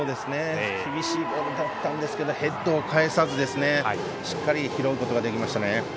厳しいボールだったんですけどヘッドを返さずしっかり拾うことができました。